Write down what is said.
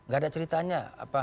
gak ada ceritanya